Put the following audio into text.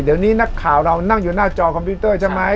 เดี๋ยวนี้นักข่าวเรานั่งอยู่หน้าจอคอมพิวเตอร์ใช่ไหม